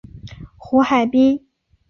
胡海滨。